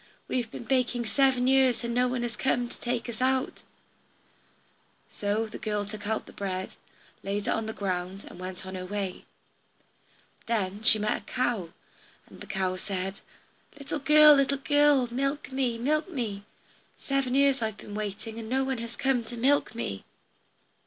We have been baking seven years, and no one has come to take us out." So the girl took out the bread, laid it on the ground, and went on her way. Then she met a cow, and the cow said, "Little girl, little girl, milk me, milk me! Seven years have I been waiting, and no one has come to milk me."